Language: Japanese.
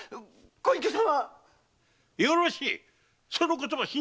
御隠居様？